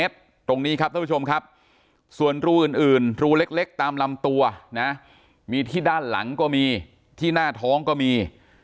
ตรงนี้ครับท่านผู้ชมครับส่วนรูอื่นรูเล็กตามลำตัวนะมีที่ด้านหลังก็มีที่หน้าท้องก็มี